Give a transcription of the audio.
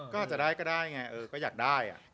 ก็อาจจะได้ก็ได้ไงก็อยากได้